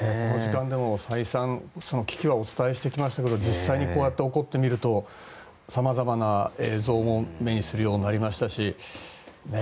この時間でも再三、危機はお伝えしてきましたが実際にこうやって起こってみると様々な映像も目にするようになりましたし。